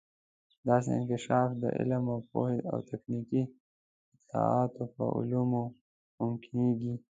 داسې انکشاف د علم او پوهې او تخنیکي اطلاعاتو په عامولو ممکنیږي.